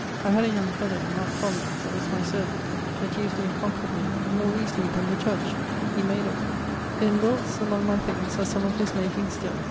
I had a young fellow (Marc Collins), that was my servant, that used it incomparably, more easily than the Judge; he made of them. In Wilts, among my things, are some of his making still.